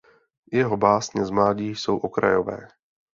Jeho básně z mládí jsou okrajové.